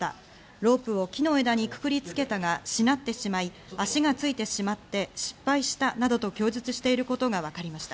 ロープを木の枝にくくりつけたが、しなってしまい、足がついてしまって失敗したなどと供述していることがわかりました。